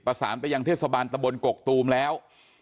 ประสานไปยังเทศบาลตะบนกกตูมแล้ว